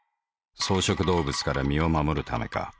草食動物から身を護るためか。